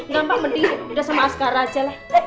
gampang mendingan udah sama askara aja